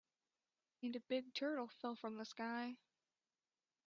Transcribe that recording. And a big turtle fell from the sky.